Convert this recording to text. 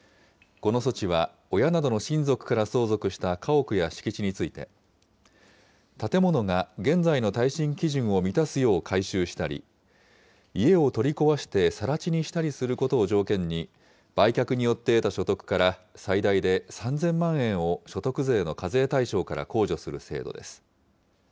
この措置は、親などの親族から相続した家屋や敷地について、建物が現在の耐震基準を満たすよう改修したり、家を取り壊してさら地にしたりすることを条件に、売却によって得た所得から最大で３０００万円を所得税の課税対象から控除する制度です。